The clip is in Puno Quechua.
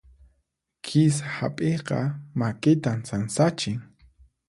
Kisa hap'iyqa makitan sansachin.